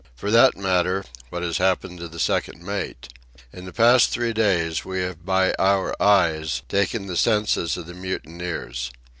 For that matter, what has happened to the second mate? In the past three days we have by our eyes taken the census of the mutineers.